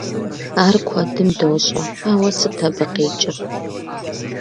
Ар куэдым дощӏэ, ауэ сыт абы къикӏыр?